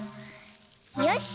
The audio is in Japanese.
よし！